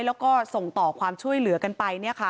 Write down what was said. แล้วก็ส่งต่อความช่วยเหลือกันไป